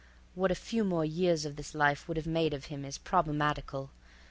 What a few more years of this life would have made of him is problematical.